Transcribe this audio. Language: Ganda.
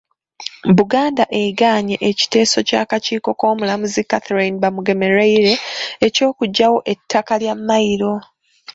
Buganda egaanye ekiteeso ky’akakiiko k’omulamuzi Catherine Bamugemereire eky'okuggyawo ettaka lya mmayiro.